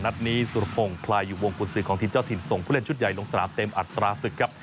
นัดนี้สุรพงศ์คลายอยู่วงกุศือของทีมเจ้าถิ่นส่งผู้เล่นชุดใหญ่ลงสนามเต็มอัตราศึกครับ